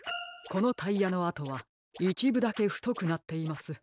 このタイヤのあとはいちぶだけふとくなっています。